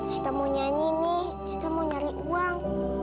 sita mau nyanyi nih sita mau nyari uang